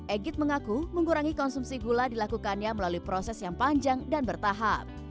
egyt mengaku mengurangi konsumsi gula dilakukannya melalui proses yang panjang dan bertahap